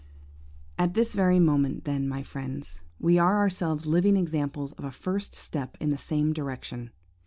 "At this very moment, then, my friends, we are ourselves living examples of a first step in the same direction!